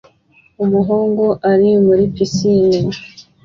Umuhungu ari muri pisine